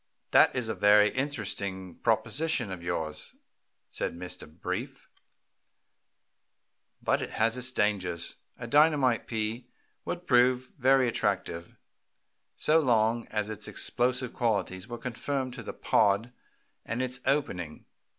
"That is a very interesting proposition of yours," said Mr. Brief, "but it has its dangers. A dynamite pea would prove very attractive so long as its explosive qualities were confined to the pod and its opening.